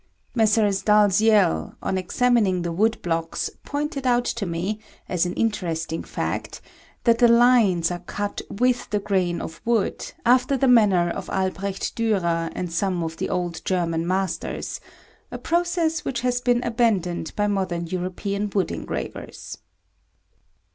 Messrs. Dalziel, on examining the wood blocks, pointed out to me, as an interesting fact, that the lines are cut with the grain of the wood, after the manner of Albert Dürer and some of the old German masters, a process which has been abandoned by modern European wood engravers.